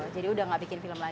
jadi udah gak bikin film lagi